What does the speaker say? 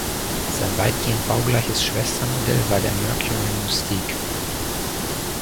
Sein weitgehend baugleiches Schwestermodell war der Mercury Mystique.